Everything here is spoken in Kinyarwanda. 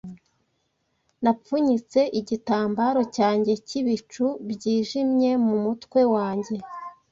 Napfunyitse igitambaro cyanjye cy'ibicu byijimye mu mutwe wanjye